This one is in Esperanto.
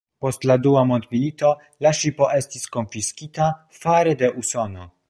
Post la Dua Mondmilito la ŝipo estis konfiskita fare de Usono.